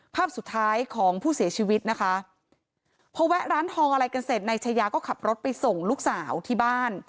ภาพสุดท้ายของผู้เสียชีวิตนะคะพอแวะร้านทองอะไรกันเสร็จนายชายาก็ขับรถไปส่งลูกสาวที่บ้าน